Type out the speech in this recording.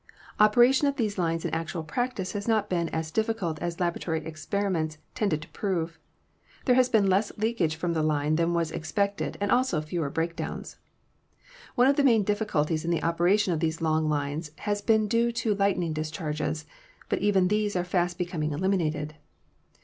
Operation of these lines in actual practice has not been as difficult as laboratory experiments tended to prove. There has been less leakage from the line than was ex pected and also fewer breakdowns. One of the main dif ficulties in the operation of these long lines has been due to lightning discharges, but even these are fast being elim inated.